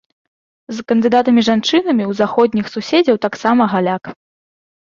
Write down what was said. З кандыдатамі-жанчынамі ў заходніх суседзяў таксама галяк.